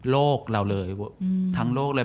โลกเราเลยทั้งโลกเลย